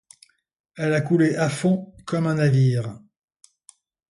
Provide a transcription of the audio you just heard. Elle a coulé à fond comme un navire.